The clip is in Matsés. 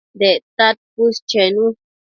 Dectad cuës chenu